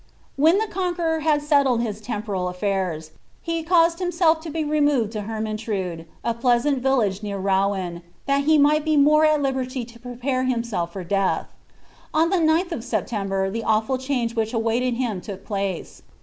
When ilie Conqueror had settled his temporal af&irs, he caused him self to be removed to Hennenrnide, a pleasant village near Rouen,' dial iip iiii^ht be more at liberty lo prepare himself for death. On the Sth of September the awful ctuinge which he awaited look place.